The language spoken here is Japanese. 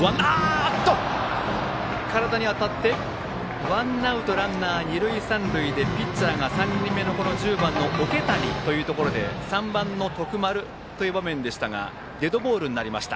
体に当たってワンアウトランナー、二塁三塁でピッチャーが３人目の１０番の桶谷というところで３番、徳丸という場面でしたがデッドボールになりました。